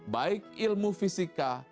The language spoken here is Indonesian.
baik ilmu fisika